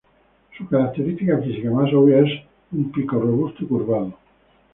Su característica física más obvia es su pico robusto y curvado.